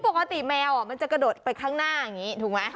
แมวมันจะกระโดดไปข้างหน้าอย่างนี้ถูกไหม